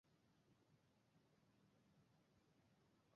Smith Columbus high school থেকে স্নাতক সম্পন্ন করেন।